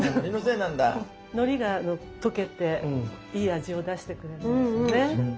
のりが溶けていい味を出してくれるんですよね。